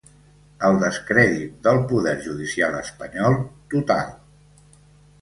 El descrèdit del poder judicial espanyol, total.